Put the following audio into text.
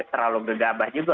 terlalu gegabah juga